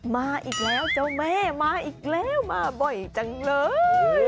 มาอีกแล้วเจ้าแม่มาอีกแล้วมาบ่อยจังเลย